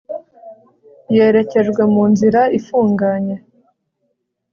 Yerekejwe munzira ifunganye